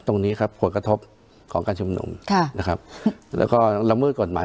ตรงนี้ครับผลกระทบของการชุมนุมค่ะนะครับแล้วก็ละเมิดกฎหมาย